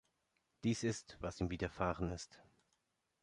Dies ist, was ihm widerfahren ist!